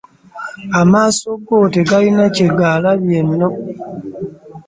Amaaso go tegalina kye gaalabye nno.